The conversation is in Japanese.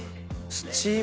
スチーム。